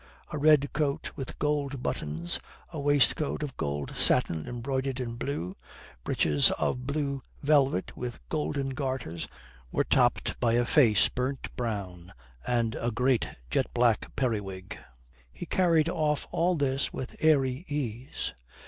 A red coat with gold buttons, a waistcoat of gold satin embroidered in blue, breeches of blue velvet with golden garters were topped by a face burnt brown and a great jet black periwig. He carried off all this with airy ease.